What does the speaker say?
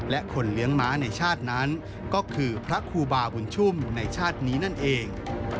และคนเลี้ยงม้าในชาตินั้นก็คือพระครูบาบุญชุ่มในชาตินี้นั่นเอง